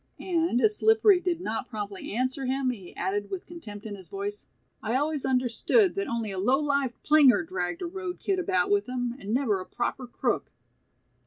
And as Slippery did not promptly answer him he added with contempt in his voice, "I always understood that only a low lived plinger dragged a road kid about with him and never a proper crook."